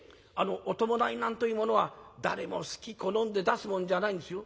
お葬式なんというものは誰もすき好んで出すもんじゃないんですよ。